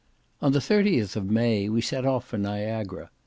On the 30th of May we set off for Niagara.